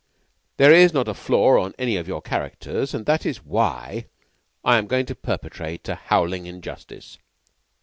There is not a flaw in any of your characters. And that is why I am going to perpetrate a howling injustice.